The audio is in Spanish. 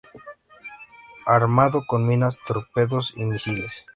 Armado con minas, torpedos y misiles.